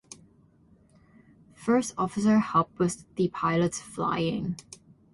First officer Hupp was the pilot flying.